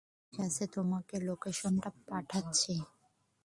ঠিক আছে, তোমাকে লোকেশনটা পাঠাচ্ছি।